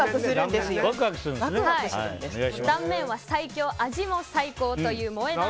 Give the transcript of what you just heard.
断面は最強、味も最高という萌え断